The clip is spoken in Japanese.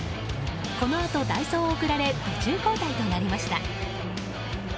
このあと代走を送られ途中交代となりました。